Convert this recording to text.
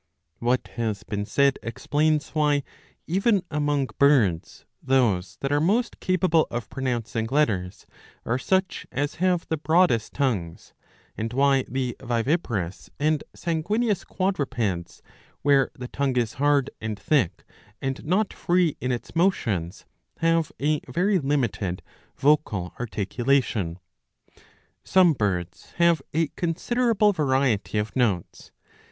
What has been said explains why, even among birds, those that are most capable of pronouncing letters are such as have 660 a. 54 11 17 the broadest tongues ;^ and why the viviparous and sanguineous quadrupeds, where the tongue is hard and thick and not free in its motions, have a very limited vocal articulation. Some birds have a considerable variety of notes.